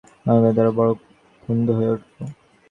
এক্ষণে তারা বড় বন্ধু হয়ে উঠল।